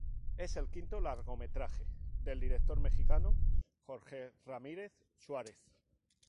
Es el quinto largometraje del director mexicano Jorge Ramírez Suárez.